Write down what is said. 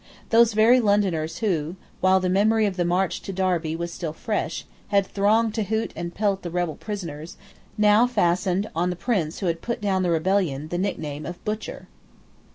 Those very Londoners, who, while the memory of the march to Derby was still fresh, had thronged to hoot and pelt the rebel prisoners, now fastened on the prince who had put down the rebellion the nickname of Butcher.